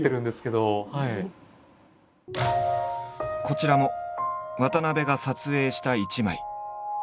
こちらも渡部が撮影した一枚。